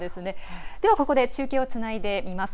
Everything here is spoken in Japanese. ここで中継をつないでみます。